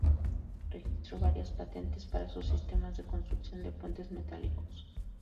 Registró varias patentes para sus sistemas de construcción de puentes metálicos.